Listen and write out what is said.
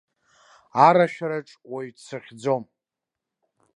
Арашәараҿ уаҩ дсыхьӡом.